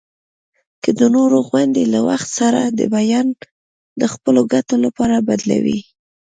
که د نورو غوندي له وخت سره د بیان د خپلو ګټو لپاره بدلوي.